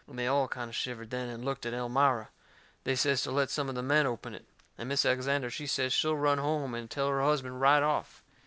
And they all kind o' shivered then, and looked at Elmira. They says to let some of the men open it. And Mis' Alexander, she says she'll run home and tell her husband right off.